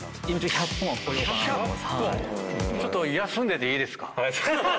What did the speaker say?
１００本⁉ちょっと休んでていいですか？